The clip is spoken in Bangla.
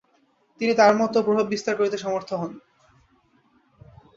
তিনি তার মত ও প্রভাব বিস্তার করতে সমর্থ হন।